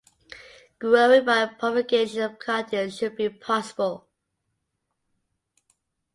Growing by propagation of cuttings should be possible.